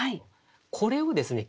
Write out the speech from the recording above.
これをですね